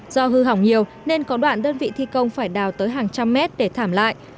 do hư hỏng nhiều nên có đoạn đơn vị thi công phải đào tới hàng trăm mét để thảm lại